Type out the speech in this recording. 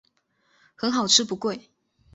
很好吃不贵